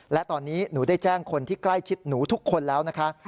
และตอนนี้หนูได้แจ้งคนที่ใกล้ชิดหนูทุกคนแล้วนะคะ